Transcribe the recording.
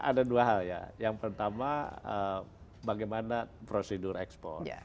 ada dua hal ya yang pertama bagaimana prosedur ekspor